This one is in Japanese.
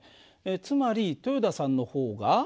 つまり豊田さんの方が。